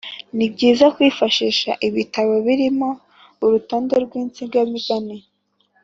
nibyiza kwifashisha ibitabo birimo urutonde rw’insigamugani.